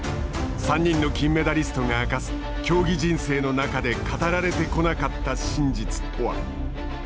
３人の金メダリストが明かす競技人生の中で語られてこなかった真実とは？